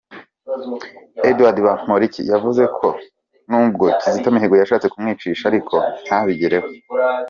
Eduard Bamporiki yavuze ko nubwo Kizito Mihigo yashatse kumwicisha ariko ntabigereho, Hon.